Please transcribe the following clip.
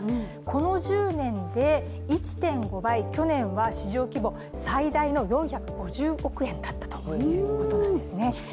この１０年で１．５倍、去年は市場規模最大の４５０億円だったということなんですね。